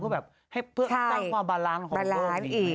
เพื่อตั้งความสะอาดของเรากันดี